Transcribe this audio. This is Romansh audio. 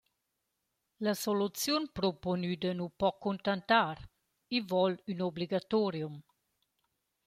La soluziun propuonüda nu po cuntantar, i voul ün obligatorium.